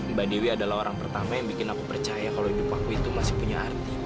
mbak dewi adalah orang pertama yang bikin aku percaya kalau hidup aku itu masih punya arti